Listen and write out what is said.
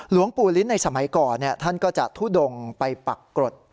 หลวงปู่ลิ้นในสมัยก่อนท่านก็จะทุดงไปปักกรด